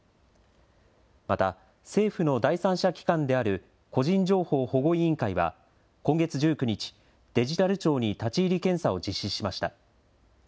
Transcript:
また、政府の第三者機関である個人情報保護委員会は、今月１９日、デジタル庁に立ち入り検査を実施しました。